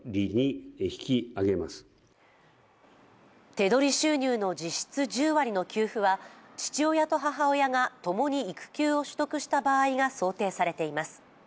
手取り収入の実質１０割の給付は父親と母親が共に育休を取得した場合が想定されています。